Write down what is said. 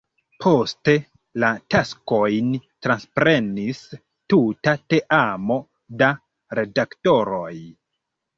Poste, la taskojn transprenis tuta teamo da redaktoroj.